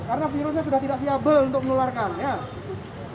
karena virusnya sudah tidak siable untuk menularkan